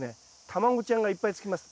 卵ちゃんがいっぱいつきます。